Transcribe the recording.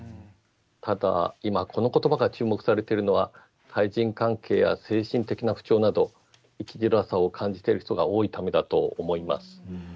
ただ今この言葉が注目されているのは対人関係や精神的な不調など生きづらさを感じている人が多いためだと思います。